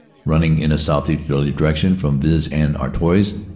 Running in a southeasterly direction from Vis en Artois.